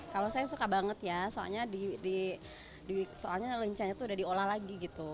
kalau saya suka banget ya soalnya di soalnya lencanya tuh udah diolah lagi gitu